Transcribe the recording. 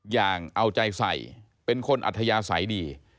อย่างเอาใจใส่เป็นคนอัธยาศัยดี